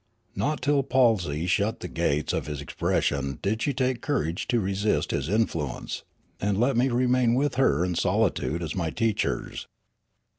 Not till palsy shut the gates of his expression did she take courage to resist his in fluence, and let me remain with her and solitude as my teachers.